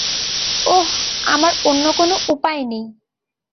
ওহ, আমার অন্য কোনো উপায় নেই।